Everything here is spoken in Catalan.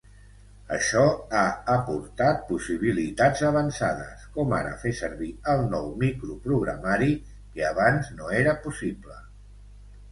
Això ha aportat possibilitats avançades com ara fer servir el nou microprogramari, que abans no era possible.